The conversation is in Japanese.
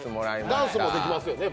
ダンスもできますよね。